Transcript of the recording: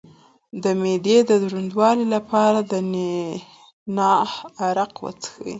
د معدې د دروندوالي لپاره د نعناع عرق وڅښئ